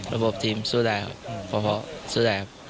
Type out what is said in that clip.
ระบบทีมสู้ได้ครับเพราะสู้ได้ครับ